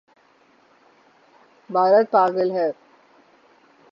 بھارت پاگل ہے